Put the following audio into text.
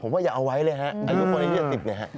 ผมว่าอย่าเอาไว้เลยฮะอายุคนอายุ๒๐เนี่ยฮะ